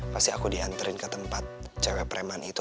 pasti aku dianterin ke tempat jaga preman itu